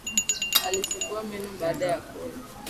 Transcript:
Alisugua meno baada ya kula